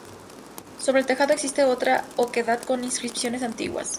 Sobre el tejado existe otra oquedad con inscripciones antiguas.